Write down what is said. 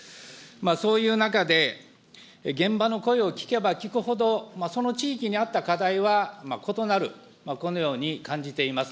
そういう中で、現場の声を聞けば聞くほど、その地域にあった課題は異なる、このように感じております。